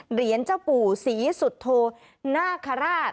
เหรียญเจ้าปู่ศรีสุธโทน่าขระร้าด